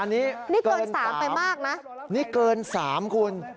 อันนี้เกิน๓อันนี้เกิน๓คุณ